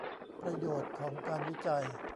ประโยชน์ของการวิจัย